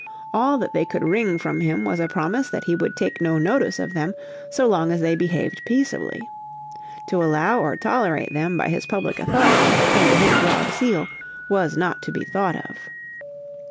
All that they could wring from him was a promise that he would take no notice of them so long as they behaved peaceably. To allow or tolerate them by his public authority, under his broad seal, was not to be thought of.